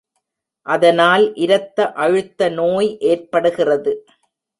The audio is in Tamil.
அதனால் இரத்த அழுத்த நோய் ஏற்படுகிறது.